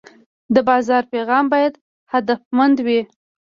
د بازار پیغام باید هدفمند وي.